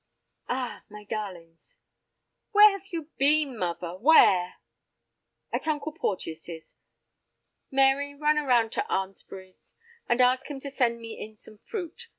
"Ah—my darlings—" "Where have you been, muvver—where?" "At Uncle Porteus's. Mary, run around to Arnsbury's and ask him to send me in some fruit.